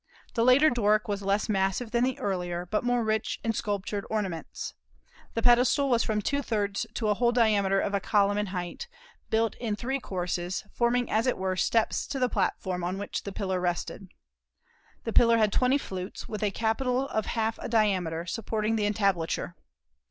The later Doric was less massive than the earlier, but more rich in sculptured ornaments. The pedestal was from two thirds to a whole diameter of a column in height, built in three courses, forming as it were steps to the platform on which the pillar rested. The pillar had twenty flutes, with a capital of half a diameter, supporting the entablature.